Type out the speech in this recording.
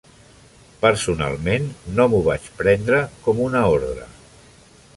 Personalment, no m'ho vaig prendre com una ordre.